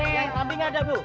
yang samping gak ada bu